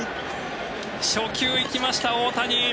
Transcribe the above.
初球行きました、大谷。